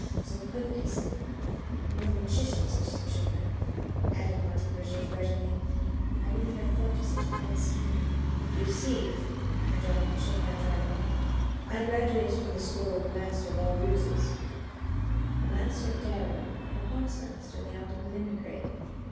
It was all perfectly simple. You are a magician, citizen Chauvelin," added Martin Roget grudgingly. "I never would have thought of such a clever ruse." "You see," rejoined Chauvelin drily, "I graduated in the school of a master of all ruses a master of daring and a past master in the art of mimicry.